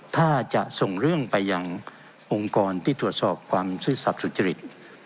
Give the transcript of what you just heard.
ถ้าจะส่งเรื่องไปยังองค์กรที่ตรวจสอบความซื่อสัตว์สุจริต